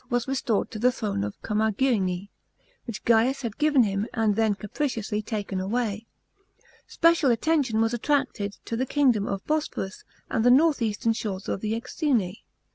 was restored to the throne of Commagene, which Gaius had given him and then capriciously taken away. Special attention was attracted tc the kingdom of Bosporus and the north eastern shores of the Knxine.